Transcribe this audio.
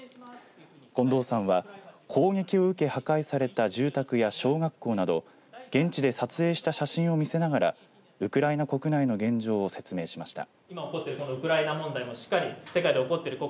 近藤さんは攻撃を受け破壊された住宅や小学校など現地で撮影した写真を見せながらウクライナ国内の現状を説明しました。